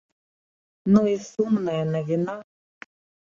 Ну і сумная навіна.